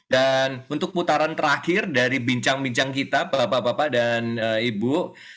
dan untuk putaran terakhir dari bincang bincang kita bapak bapak dan ibu